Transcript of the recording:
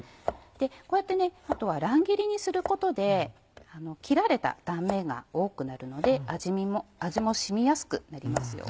こうやって乱切りにすることで切られた断面が多くなるので味も染みやすくなりますよ。